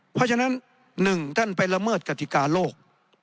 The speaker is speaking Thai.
เพราะฉะนั้น๑ท่านไปละเมิดกติกาโลก